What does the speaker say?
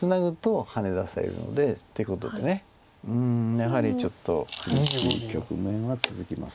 やはりちょっと厳しい局面は続きます。